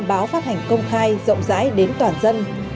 báo phát hành công khai rộng rãi đến toàn dân